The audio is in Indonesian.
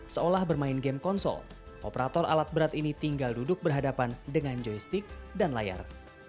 seolah bermain game konsol operator alat berat ini tinggal duduk berhadapan dengan joystick dan layar